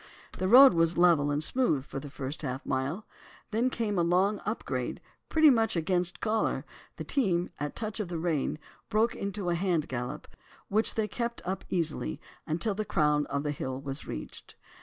The road was level, and smooth for the first half mile, then came a long up grade pretty much against collar, the team, at a touch of the rein, broke into a hand gallop, which they kept up easily until the crown of the hill was reached.